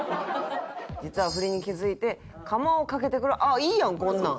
実は不倫に気付いてカマをかけてくるあっいいやんこんなん。